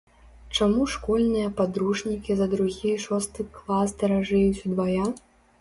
Чаму школьныя падручнікі за другі і шосты клас даражэюць удвая?